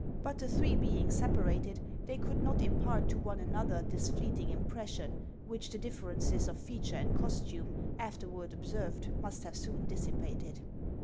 But the three being separated, they could not impart to one another this fleeting impression, which the differences ot feature and costume, afterward observed, must have soon dissipated.